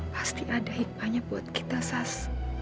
pasti ada hikmahnya buat kita sas